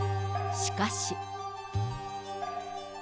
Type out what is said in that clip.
しかし。